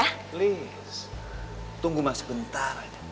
please tunggu mas bentar aja